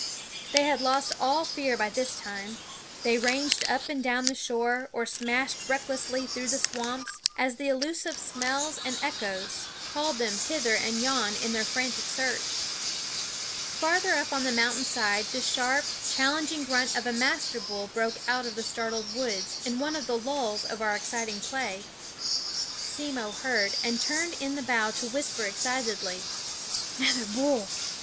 They had lost all fear by this time ; they ranged up and down the SJffhe Soundof shore, or smashed recklessly through the 3&e 3rumjpef swamps, as the elusive smells and echoes called them hither and yon in their frantic search. Far up on the mountain side the sharp, challenging grunt of a master bull broke out of the startled woods in one of the lulls of our exciting play. Simmo heard, and turned in the bow to whisper excit edly: " Nother bull !